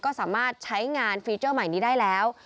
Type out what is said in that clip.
ก็สามารถใช้งานฟีเจอร์ใหม่นี้ได้แล้ว